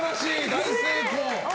大成功。